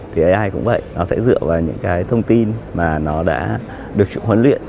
thì ai cũng vậy nó sẽ dựa vào những cái thông tin mà nó đã được huấn luyện